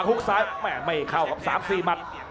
ฮุกซ้ายแหมไม่เข้ากับ๓๔มัตต์